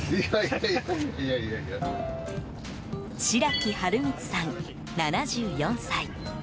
白木春光さん、７４歳。